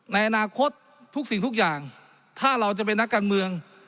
ในอนาคตทุกสิ่งทุกอย่างถ้าเราจะเป็นนักการเมือง